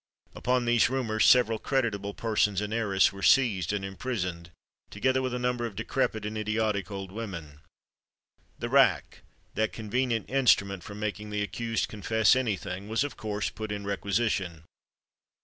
Upon these rumours several creditable persons in Arras were seized and imprisoned, together with a number of decrepit and idiotic old women. The rack, that convenient instrument for making the accused confess any thing, was of course put in requisition.